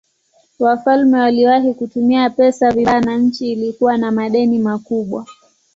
Wafalme waliwahi kutumia pesa vibaya na nchi ilikuwa na madeni makubwa.